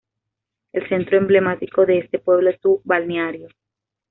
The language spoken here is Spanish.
El centro emblemático de este pueblo es su balneario.